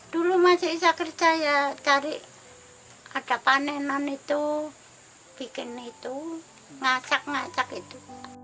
dulu masih bisa kerja ya cari ada panenan itu bikin itu ngacak ngacak itu